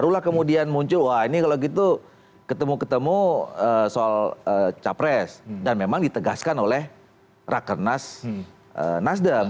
barulah kemudian muncul wah ini kalau gitu ketemu ketemu soal capres dan memang ditegaskan oleh rakernas nasdem